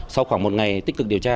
sau khoảng một ngày tích cực điều tra